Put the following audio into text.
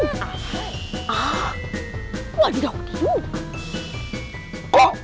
nelima pelembar di madu